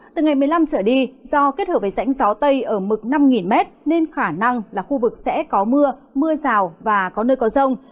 từ ngày một mươi năm trở đi do kết hợp với rãnh gió tây ở mực năm m nên khả năng là khu vực sẽ có mưa mưa rào và có nơi có rông